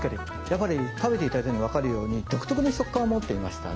やっぱり食べて頂いてわかるように独特の食感を持っていましたね。